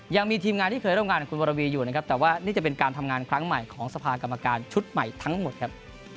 ยังมีทีมงานที่เคยร่วมงานกับคุณวรวีอยู่นะครับแต่ว่านี่จะเป็นการทำงานครั้งใหม่ของสภากรรมการชุดใหม่ทั้งหมดครับ